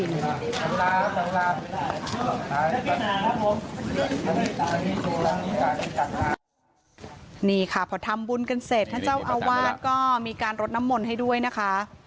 สำหรับนี้ค่ะเพราะทำบุญกันเสร็จท่านเจ้าอวาชก็มีการรดน้ำหม่นให้ด้วยนะคะ